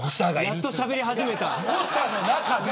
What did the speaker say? やっとしゃべり始めた。